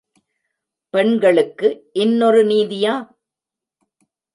பெண்களுக்கு இன்னொரு நீதியா?